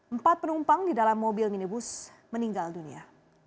empat penumpang di dalam mobil minibus meninggal dunia